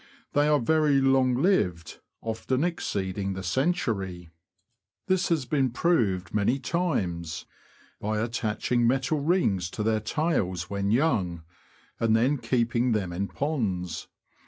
They are very long lived, often exceeding the century. This has been proved many 286 THE LAND OF THE BROADS. times, by attaching metal rings to their tails when young, and then keeping them in ponds.